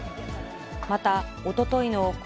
また、おとといの故